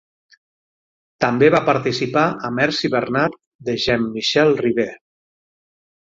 També va participar a "Merci Bernard" de Jean-Michel Ribes.